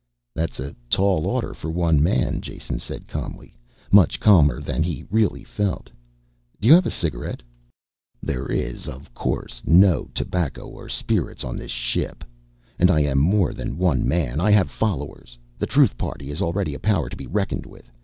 "That's a tall order for one man," Jason said calmly much calmer than he really felt. "Do you have a cigarette?" "There is, of course, no tobacco or spirits on this ship. And I am more than one man. I have followers. The Truth Party is already a power to be reckoned with.